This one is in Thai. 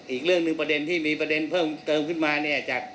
อีกเรื่องหนึ่งประเด็นที่มีประเด็นเพิ่มเติมขึ้นมาเนี่ยจาก